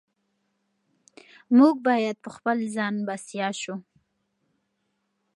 موږ باید په خپل ځان بسیا شو.